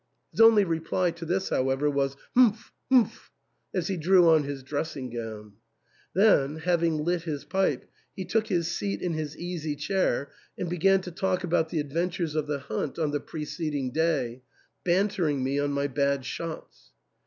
His only reply to thivS, however, was, " Humph ! humph !" as he drew on his dressing gown. Then, having lit his pipe, he took his seat in his easy chair and began to talk about the adventures of the hunt on the preceding day, banter ing me on my bad shots.